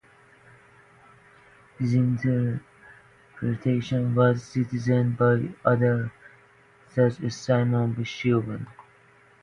This interpretation was criticized by other psychologists such as Simon Biesheuvel.